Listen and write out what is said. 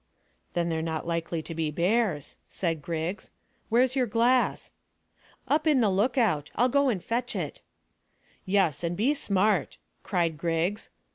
"Then they're not likely to be bears," said Griggs. "Where's your glass?" "Up in the lookout. I'll go and fetch it." "Yes, and be smart," cried Griggs.